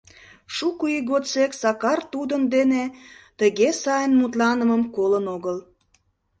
Шуко ий годсек Сакар тудын дене тыге сайын мутланымым колын огыл.